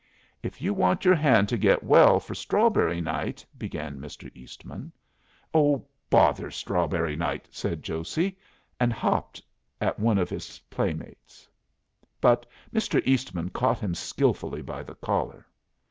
"If you want your hand to get well for strawberry night " began Mr. Eastman. "Ah, bother strawberry night!" said Josey, and hopped at one of his playmates. But Mr. Eastman caught him skilfully by the collar.